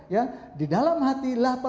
ya di dalam hati